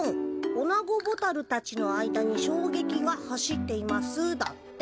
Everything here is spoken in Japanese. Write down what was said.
オナゴボタルたちの間にしょうげきが走っています」だって。